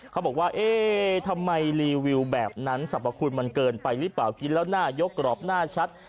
เขาบอกว่าเอ๊ะทำไมรีวิวแบบนั้นสรรพคุณมันเกินไปหรือเปล่ากินแล้วหน้ายกกรอบหน้าชัด